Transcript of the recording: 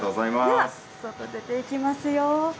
では、外出ていきますよ。